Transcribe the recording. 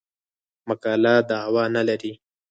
مقاله دعوا نه لري.